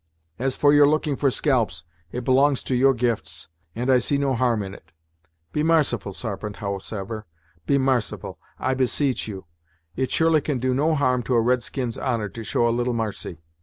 As for your looking for scalps, it belongs to your gifts, and I see no harm in it. Be marciful, Sarpent, howsever; be marciful, I beseech of you. It surely can do no harm to a red skin's honour to show a little marcy.